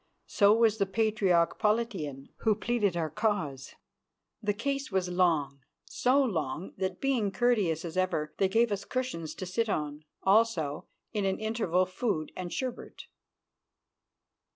So was the Patriarch Politian who pleaded our cause. The case was long, so long that, being courteous as ever, they gave us cushions to sit on, also, in an interval, food and sherbet.